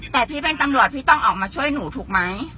แต่พี่เป็นตำรวจพี่ต้องออกมาช่วยหนูถูกไหม